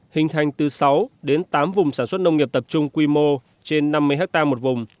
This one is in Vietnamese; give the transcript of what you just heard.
hình thành từ sáu đến tám vùng sản xuất nông nghiệp tập trung quy mô trên năm mươi hectare một vùng